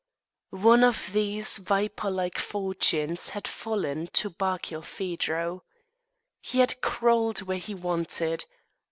One of these viper like fortunes had fallen to Barkilphedro. He had crawled where he wanted.